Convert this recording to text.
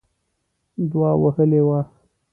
دوه وهلې وه.